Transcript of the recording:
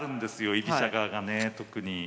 居飛車側がね特に。